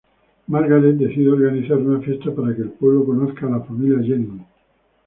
Margaret decide organizar una fiesta para que el pueblo conozca a la familia Jennings.